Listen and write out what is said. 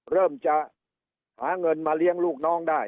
เริ่มจะหาเงินมาเลี้ยงลูกน้องได้